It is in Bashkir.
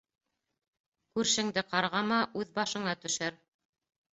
Күршеңде ҡарғама, үҙ башыңа төшәр.